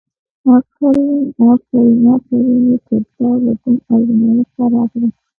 افرین افرین، افرین یې پرته له کوم ازمېښته راکړه.